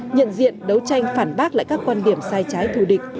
nhận diện đấu tranh phản bác lại các quan điểm sai trái thù địch